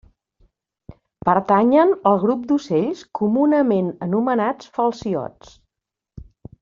Pertanyen al grup d'ocells comunament anomenats falciots.